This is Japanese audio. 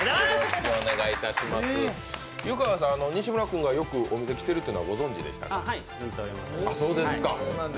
西村君がよくお店に来ているというのはご存じでした？